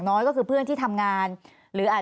แต่ได้ยินจากคนอื่นแต่ได้ยินจากคนอื่น